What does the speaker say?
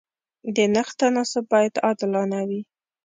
د نرخ تناسب باید عادلانه وي.